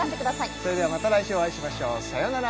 それではまた来週お会いしましょうさよなら